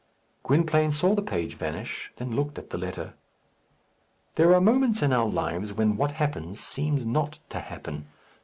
Gwynplaine saw the page vanish, then looked at the letter. There are moments in our lives when what happens seems not to happen.